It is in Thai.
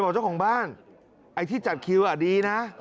เจ้าของบ้านไอ้ที่จัดคิวดีนะ